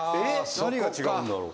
何が違うんだろう？